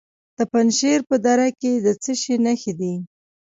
د پنجشیر په دره کې د څه شي نښې دي؟